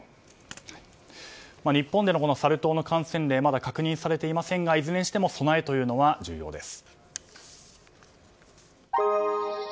日本でのサル痘の感染例はまだ確認されていませんがいずれにしても備えというのは重要です。